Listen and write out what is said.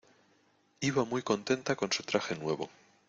Iba muy contenta con su traje nuevo.